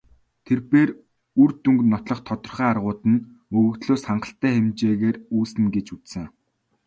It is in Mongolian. Тэр бээр үр дүнг нотлох тодорхой аргууд нь өгөгдлөөс хангалттай хэмжээгээр үүснэ гэж үзсэн.